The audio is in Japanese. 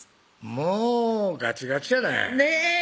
もうガチガチやねねぇ！